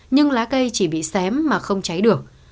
nhưng lá cây chỉ bị xém mà không cháy được